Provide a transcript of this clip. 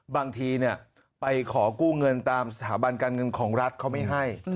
บางทีไปขอกู้เงินตามสถาบันการเงินของรัฐเขาไม่ให้